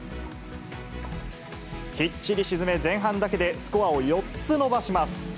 きっちり沈め、前半だけでスコアを４つ伸ばします。